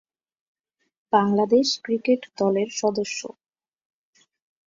Bangladesh cricket দলের সদস্য।